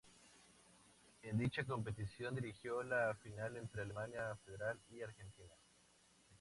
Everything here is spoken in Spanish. En dicha competición dirigió la final entre Alemania Federal y Argentina.